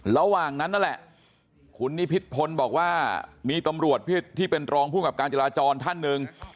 ระหว่างนั้นนั่นแหละคุณนิพิษพลบอกว่ามีตำรวจที่เป็นรองภูมิกับการจราจรท่านหนึ่ง